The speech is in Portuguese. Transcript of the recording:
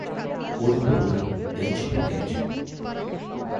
Olho por olho, dente por dente